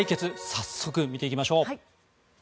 早速、見ていきましょう。